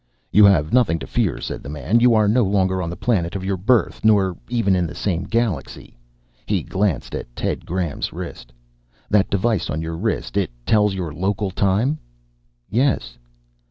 "You have nothing to fear," said the man. "You are no longer on the planet of your birth nor even in the same galaxy." He glanced at Ted Graham's wrist. "That device on your wrist it tells your local time?" "Yes."